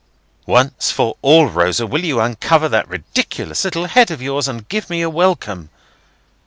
"Once for all, Rosa, will you uncover that ridiculous little head of yours and give me a welcome?"